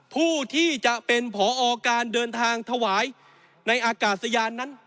ผู้ที่จะเป็นผอการเดินทางถวายในอากาศยานนั้น